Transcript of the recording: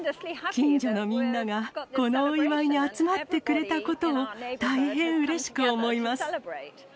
近所のみんながこのお祝いに集まってくれたことを大変うれしく思います。